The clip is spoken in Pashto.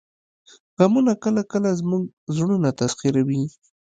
غمونه کله کله زموږ زړونه تسخیروي